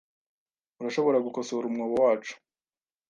Urashobora gukosora umwobo wacu?